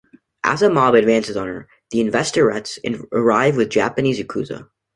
As the mob advances on her, the Investorettes arrive with the Japanese Yakuza.